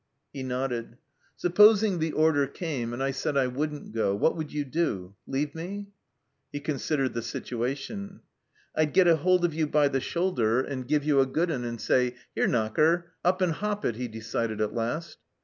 He nodded. " Supposing the order came, and I said I wouldn't go, what would you do ? Leave me ?" He considered the situation. "I'd get a hold of you by the shoulder and give 164 THE CELLAR HOUSE OF PERVYSE you a good un, and say, ' 'Ere, Knocker, up and 'op it !'" he decided at last.